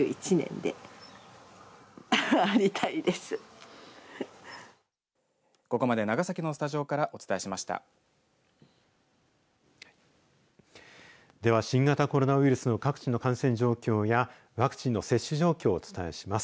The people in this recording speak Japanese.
では、新型コロナウイルスの各地の感染状況やワクチンの接種状況をお伝えします。